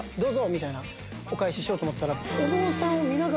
みたいなお返ししようと思ったら。